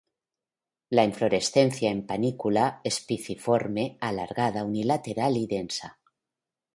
La inflorescencia en panícula espiciforme, alargada, unilateral y densa.